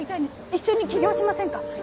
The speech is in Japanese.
一緒に起業しませんか？